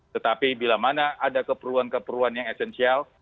tetapi bila mana ada keperluan keperluan yang esensial